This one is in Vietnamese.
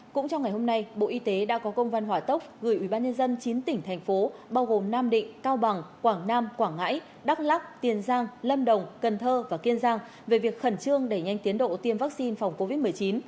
cũng trong ngày hôm nay bộ y tế đã có công văn hỏa tốc gửi ubnd chín tỉnh thành phố bao gồm nam định cao bằng quảng nam quảng ngãi đắk lắc tiền giang lâm đồng cần thơ và kiên giang về việc khẩn trương đẩy nhanh tiến độ tiêm vaccine phòng covid một mươi chín